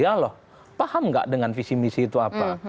ya loh paham nggak dengan visi misi itu apa